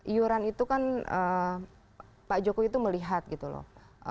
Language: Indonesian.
iuran itu kan pak jokowi itu melihat gitu loh